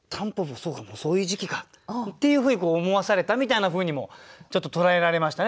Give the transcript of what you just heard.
そうかもうそういう時期か」っていうふうに思わされたみたいなふうにもちょっと捉えられましたね。